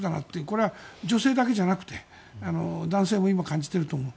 これは女性だけじゃなくて男性も今、感じてると思う。